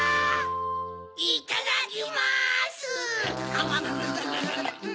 いただきます！